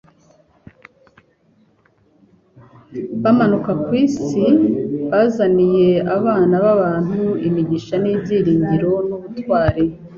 bamanuka ku isi bazaniye abana b'abantu imigisha n'ibyiringiro n'ubutwari,